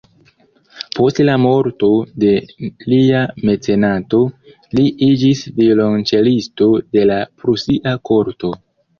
Post la morto de lia mecenato, li iĝis violonĉelisto de la prusia korto.